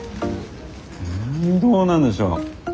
うんどうなんでしょう。